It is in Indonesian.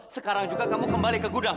sekarang juga kamu kembali ke gudang